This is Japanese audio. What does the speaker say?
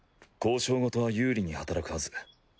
交渉事は有利に働くはず。